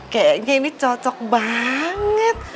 kayaknya ini cocok banget